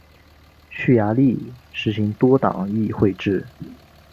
匈牙利实行多党议会制。